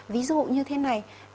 ví dụ như thế này